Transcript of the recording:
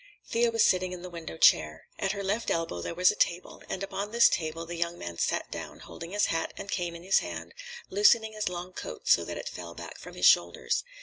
Thea was sitting in the window chair. At her left elbow there was a table, and upon this table the young man sat down, holding his hat and cane in his hand, loosening his long coat so that it fell back from his shoulders.